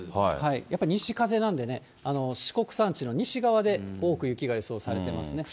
やっぱり西風なんでね、四国山地の西側で多く雪が予想されてますね。